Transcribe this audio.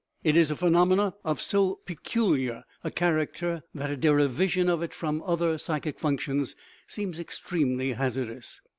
It is a phenomenon of so pecu CONSCIOUSNESS liar a character that a derivation of it from other psy chic functions seems extremely hazardous.